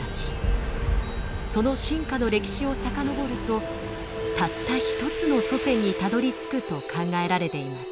その進化の歴史を遡るとたった一つの祖先にたどりつくと考えられています。